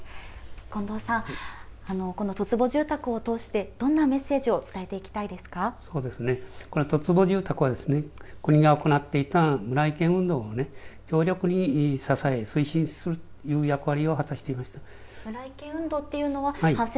近藤さん、この十坪住宅を通して、どんなメッセージを伝えていきたそうですね、この十坪住宅は、国が行っていた運動を強力に支え、推進するという役割を果たしています。